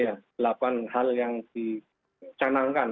ya delapan hal yang dicanangkan